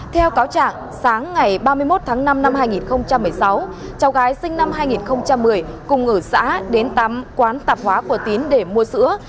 theo cáo trạng sáng ngày ba mươi một tháng năm năm hai nghìn một mươi sáu cháu gái sinh năm hai nghìn một mươi cùng ở xã đến tám quán tạp hóa của tín để mua sữa